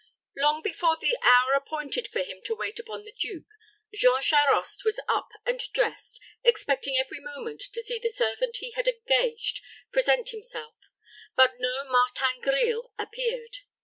Long before the hour appointed for him to wait upon the duke, Jean Charost was up and dressed, expecting every moment to see the servant he had engaged present himself, but no Martin Grille appeared.